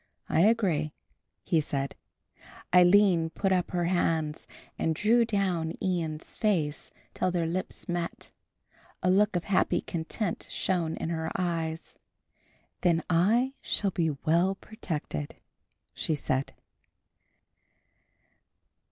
"I agree," he said. Aline put up her hands and drew down Ian's face till their lips met. A look of happy content shone in her eyes. "Then I shall be well protected," she said.